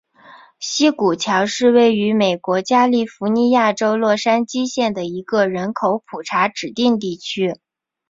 西谷桥是位于美国加利福尼亚州洛杉矶县的一个人口普查指定地区。